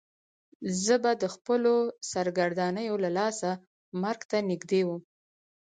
زه به د خپلو سرګردانیو له لاسه مرګ ته نږدې وم.